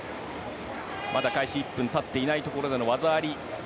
まだ開始１分経っていないところでの技あり。